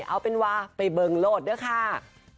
เอาเป็นว่าไปเบิงโลดด้วยค่ะ